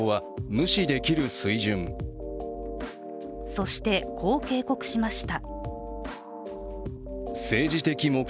そして、こう警告しました。